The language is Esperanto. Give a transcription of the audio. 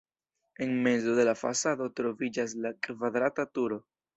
En mezo de la fasado troviĝas la kvadrata turo.